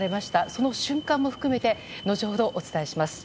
その瞬間も含めて後ほど、お伝えします。